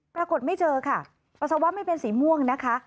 ไม่เจอค่ะปัสสาวะไม่เป็นสีม่วงนะคะ